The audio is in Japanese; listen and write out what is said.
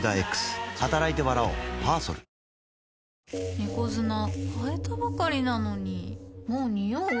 猫砂替えたばかりなのにもうニオう？